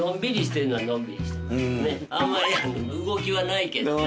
あんまり動きはないけどね